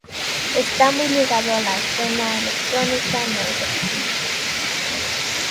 Está muy ligado a la escena electrónica neoyorkina.